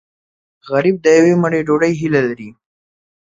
غریب د یوې مړۍ ډوډۍ هیله لري